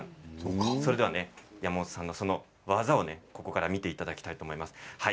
それでは山本さんの技をここから見ていただきたいと思います。